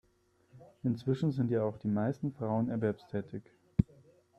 Inzwischen sind ja auch die meisten Frauen erwerbstätig.